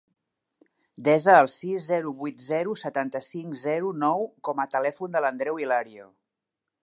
Desa el sis, zero, vuit, zero, setanta-cinc, zero, nou com a telèfon de l'Andreu Hilario.